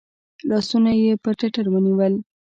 لاسونه یې پر ټتر ونیول .